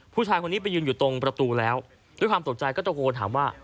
ผู้ชายคนนี้ไปยืนอยู่ตรงประตูแล้วด้วยความตกใจก็ตะโกนถามว่า